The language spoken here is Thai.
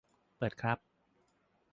เปิดครับ